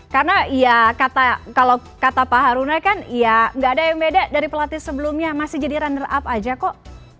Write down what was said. karena ya kalau kata pak haruna kan ya enggak ada yang beda dari pelatih sebelumnya masih jadi runner up aja kok